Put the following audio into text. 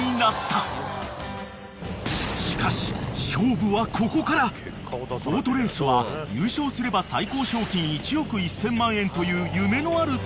［しかし］［ボートレースは優勝すれば最高賞金１億１，０００万円という夢のある世界だが］